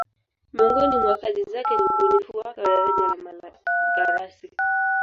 Miongoni mwa kazi zake ni ubunifu wake wa daraja la Malagarasi